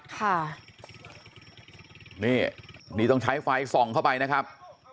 ค่ะนี่นี่ต้องใช้ไฟส่องเข้าไปนะครับ